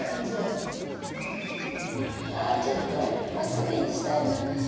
ああちょっとまっすぐにしたいな。